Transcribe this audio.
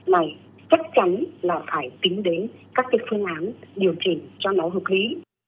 này chắc chắn là phải tính đến các phương án điều chỉnh cho nó hợp lý